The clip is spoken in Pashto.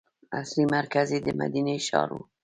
اصلي مرکز یې د مدینې ښار و.